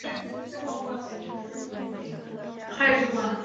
他是一位右手握拍选手。